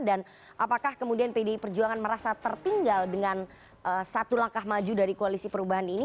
dan apakah kemudian pdi perjuangan merasa tertinggal dengan satu langkah maju dari koalisi perubahan ini